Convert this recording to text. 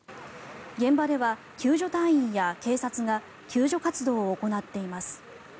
現場では救助隊員や警察が救助活動を行っています。